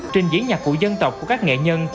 trình diễn nhạc cụ dân tộc của các nghệ nhân